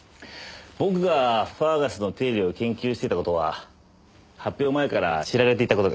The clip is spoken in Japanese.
僕がファーガスの定理を研究していた事は発表前から知られていた事です。